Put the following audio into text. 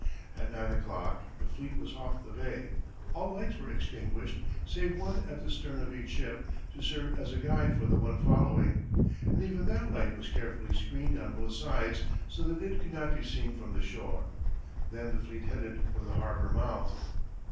At nine o'clock the fleet was off the bay, all lights were extinguished save one at the stern of each ship to serve as a guide for the one following, and even that light was carefully screened on both sides so that it could not be seen from the shore. Then the fleet headed for the harbor mouth.